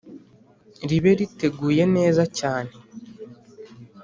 ribe riteguye neza cyane.